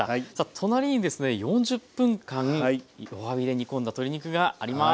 隣にですね４０分間弱火で煮込んだ鶏肉があります。